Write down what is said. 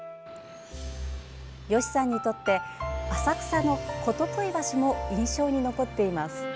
吉さんにとって浅草の言問橋も印象に残っています。